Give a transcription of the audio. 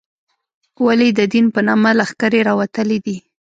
ولې د دین په نامه لښکرې راوتلې دي.